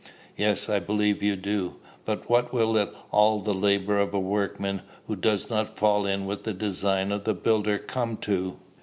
"Yes: I believe you do. But what will all the labor of a workman who does not fall in with the design of the builder come to?